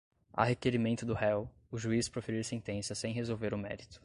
a requerimento do réu, o juiz proferir sentença sem resolver o mérito